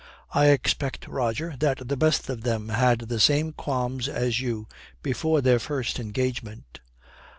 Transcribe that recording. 'I expect, Roger, that the best of them had the same qualms as you before their first engagement.'